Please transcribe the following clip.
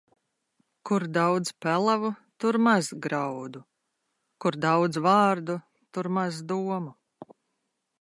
Kur daudz pelavu, tur maz graudu; kur daudz vārdu, tur maz domu.